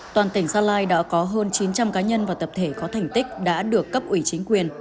toàn tỉnh gia lai đã có hơn chín trăm linh cá nhân và tập thể có thành tích đã được cấp ủy chính quyền